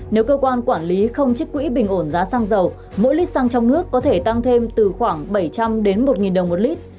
nếu cơ quan quản lý không trích quỹ bình ổn giá xăng dầu mỗi lít xăng trong nước có thể tăng thêm từ khoảng bảy trăm linh đến một đồng một lít